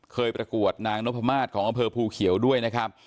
ประกวดนางนพมาศของอำเภอภูเขียวด้วยนะครับ